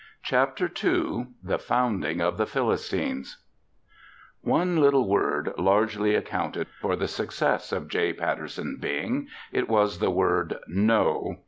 CHAPTER TWO THE FOUNDING OF THE PHYLLISTINES One little word largely accounted for the success of J. Patterson Bing. It was the word "no."